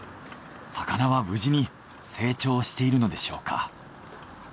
魚は無事に成長しているのでしょうか？